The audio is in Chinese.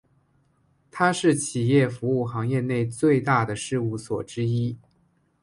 它是企业服务行业内最大的事务所之一。